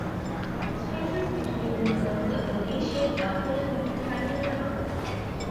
The spaces between the curves of the "D" shapes are filled with triangular knots.